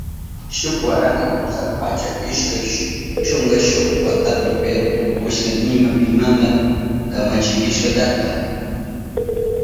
Shuk waranka pusak pachak ishkay chunka shuk watapi Peru tukushka nima pimanta kamachirishka llakta.